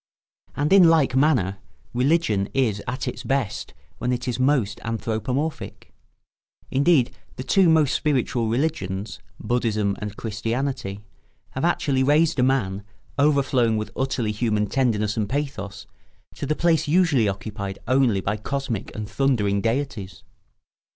And in like manner, religion is at its best when it is most anthropomorphic; indeed, the two most spiritual religions, Buddhism and Christianity, have actually raised a man, overflowing with utterly human tenderness and pathos, to the place usually occupied only by cosmic and thundering deities.